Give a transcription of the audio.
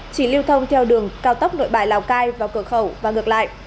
chỉ lưu thông theo đường cao tốc nội bài lào cai vào cửa khẩu và ngược lại